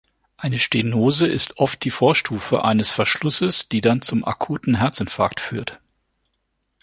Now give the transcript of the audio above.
Eine Stenose ist oft die Vorstufe eines Verschlusses, die dann zum akuten Herzinfarkt führt.